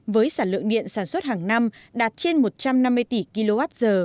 với sản lượng điện sản xuất hàng năm đạt trên một trăm năm mươi tỷ kwh